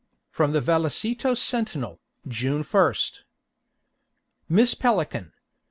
From the Vallecetos Sentinel, June 1st MISS PELICAN.